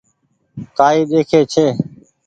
ڪآئي ڏيکي ڇي ۔